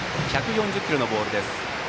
１４０キロのボールでした。